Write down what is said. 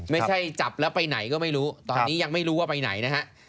ไม่ใช่จับแล้วไปไหนก็ไม่รู้ตอนนี้ยังไม่รู้ว่าไปไหนนะฮะ